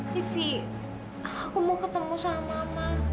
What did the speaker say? tv aku mau ketemu sama mama